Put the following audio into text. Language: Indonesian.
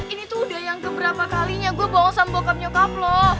ini tuh udah yang keberapa kalinya gue bohong sama bokap nyokap lo